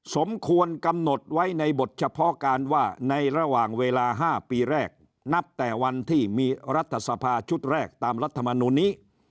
สมควรกำหนดไว้ในบทเฉพาะการว่าในระหว่างเวลา๕ปีแรกนับแต่วันที่มีรัฐสภาชุดแรกตามรัฐมนูลนี้